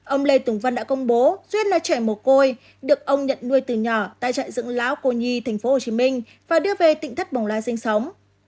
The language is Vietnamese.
ông lê tùng vân đã công bố duyên là trẻ mồ côi được ông nhận nuôi từ nhỏ tại trại dựng láo cô nhi tp hcm và đưa về tịnh thất bổng lai sinh sống